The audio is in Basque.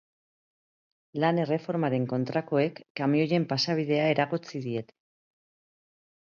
Lan erreformaren kontrakoek kamioien pasabidea eragotzi diete.